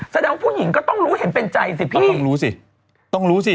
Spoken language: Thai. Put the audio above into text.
แสดงผู้หญิงก็ต้องรู้เห็นเป็นใจสิพี่